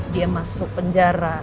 dia masuk penjara